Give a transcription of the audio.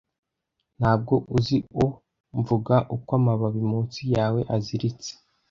Ntabwo uzi O mvugo uko amababi munsi yawe aziritse?